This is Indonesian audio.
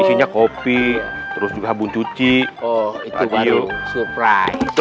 isinya kopi terus juga habun cuci radio